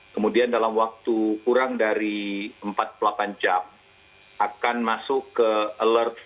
kemudian dalam waktu kurang dari empat puluh delapan jam akan masuk ke alert